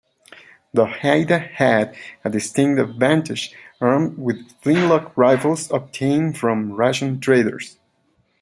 The Haida had a distinct advantage, armed with flintlock rifles obtained from Russian traders.